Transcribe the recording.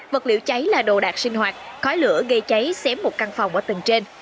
vật liệu cháy là đồ đạc sinh hoạt khói lửa gây cháy xém một căn phòng ở tầng trên